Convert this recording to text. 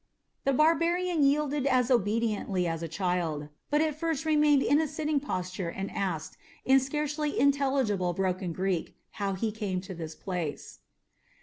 The barbarian yielded as obediently as a child, but at first remained in a sitting posture and asked, in scarcely intelligible broken Greek, how he came to this place.